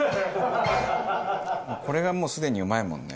これがもうすでにうまいもんね。